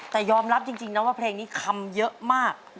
แต่ยอมรับจริงนะว่าเพลงนี้คำเยอะมาก